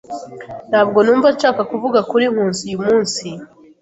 Ntabwo numva nshaka kuvuga kuri Nkusi uyumunsi.